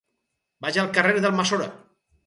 Vaig al carrer d'Almassora.